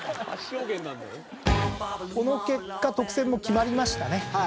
この結果特選も決まりましたね。